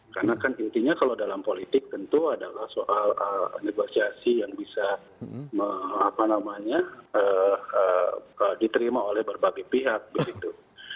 karena kan intinya kalau dalam politik tentu adalah soal negosiasi yang bisa diterima oleh berbagai pihak begitu